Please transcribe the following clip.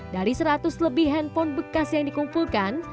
dari seratus lebih handphone bekas yang dikumpulkan